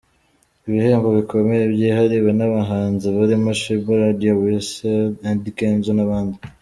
Ibihembo bikomeye byihariwe n’abahanzi barimo Sheebah, Radio & Weasel, Eddy Kenzo n’abandi.